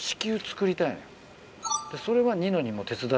それは。